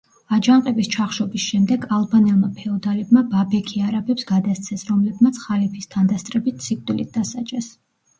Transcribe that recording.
აჯანყების ჩახშობის შემდეგ ალბანელმა ფეოდალებმა ბაბექი არაბებს გადასცეს, რომლებმაც ხალიფის თანდასწრებით სიკვდილით დასაჯეს.